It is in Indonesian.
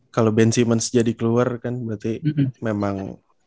kalau ben simmons jadi keluar kan berarti memang